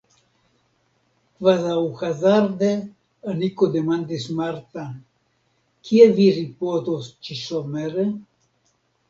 Kvazaŭ hazarde Aniko demandis Martan: Kie vi ripozos ĉi-somere?